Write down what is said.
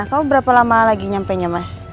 kamu berapa lama lagi nyampenya mas